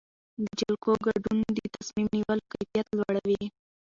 د خلکو ګډون د تصمیم نیولو کیفیت لوړوي